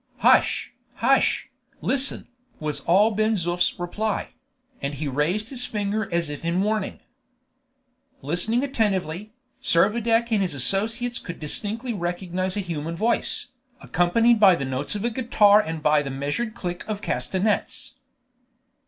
"Hush, hush! listen!" was all Ben Zoof's reply; and he raised his finger as if in warning. Listening attentively, Servadac and his associates could distinctly recognize a human voice, accompanied by the notes of a guitar and by the measured click of castanets.